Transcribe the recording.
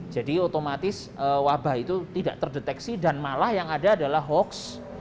jadi otomatis wabah itu tidak terdeteksi dan malah yang ada adalah hoaks